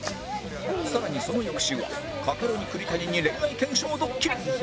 更にその翌週はカカロニ栗谷に恋愛検証ドッキリ